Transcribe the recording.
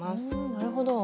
なるほど。